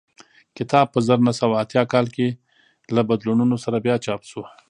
کتاب په زر نه سوه اتیا کال کې له بدلونونو سره بیا چاپ شو